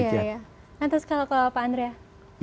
iya ya lantas kalau pak andrea